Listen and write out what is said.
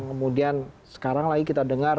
kemudian sekarang lagi kita dengar